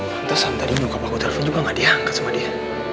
pantesan tadi muka muka aku telfon juga nggak diangkat sama dia